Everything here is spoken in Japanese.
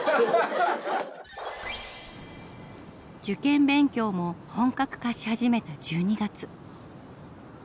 受験勉強も本格化し始めた１２月。